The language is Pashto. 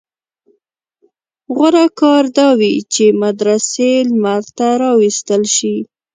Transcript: غوره کار دا وي چې مدرسې لمر ته راوایستل شي.